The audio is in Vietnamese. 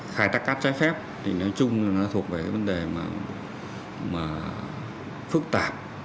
khai thác cát cháy phép thì nói chung là nó thuộc về cái vấn đề mà phức tạp